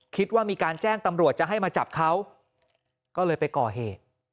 คิดว่ามีการแจ้งตำรวจจะให้มาจับเขาก็เลยไปก่อเหตุ